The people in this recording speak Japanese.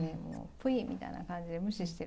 ぷいっみたいな感じで無視して。